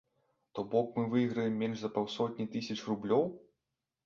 То бок мы выйграем менш за паўсотні тысяч рублёў?!